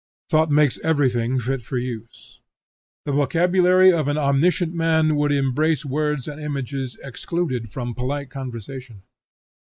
Thought makes everything fit for use. The vocabulary of an omniscient man would embrace words and images excluded from polite conversation.